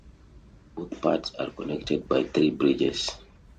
Both parts are connected by three bridges.